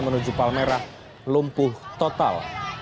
menuju palmerah lumpuh total